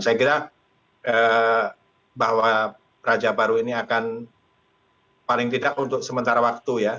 saya kira bahwa raja baru ini akan paling tidak untuk sementara waktu ya